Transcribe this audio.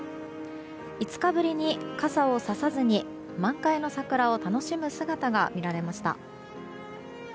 ５日ぶりに傘をささずに満開の桜を楽しむ姿が見られました。